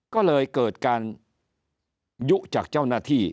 ก็เลยเกิดการยุจากเจ้าหน้าที่